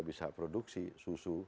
bisa produksi susu